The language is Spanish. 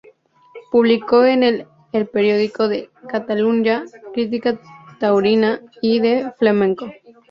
Publicó en el "El Periódico de Catalunya" crítica taurina y de flamenco.